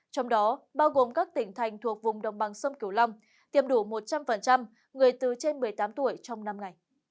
trong đó bao gồm các tỉnh thành thuộc vùng đồng bằng sông kiều long tiêm đủ một trăm linh người từ trên một mươi tám tuổi trong năm ngày